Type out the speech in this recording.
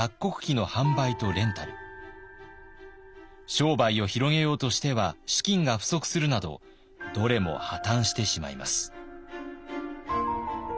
商売を広げようとしては資金が不足するなどどれも破綻してしまいます。